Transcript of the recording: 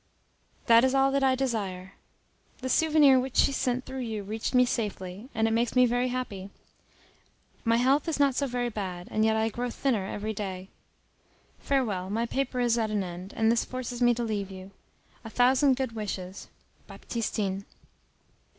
That is all that I desire. The souvenir which she sent through you reached me safely, and it makes me very happy. My health is not so very bad, and yet I grow thinner every day. Farewell; my paper is at an end, and this forces me to leave you. A thousand good wishes. BAPTISTINE.